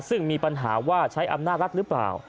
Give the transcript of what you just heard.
ซึ่งมีปัญหาว่าใช้อำนาจรัฐหรือเปล่า